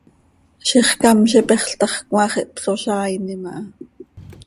Zixcám z ipexl ta x, cmaax ihpsozaainim aha.